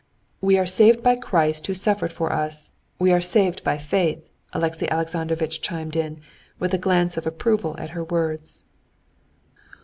"We are saved by Christ who suffered for us. We are saved by faith," Alexey Alexandrovitch chimed in, with a glance of approval at her words.